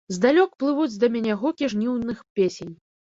Здалёк плывуць да мяне гукі жніўных песень.